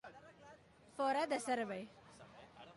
Fora de servei.